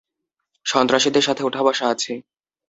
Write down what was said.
সন্ত্রাসীদের সাথে উঠাবসা আছে।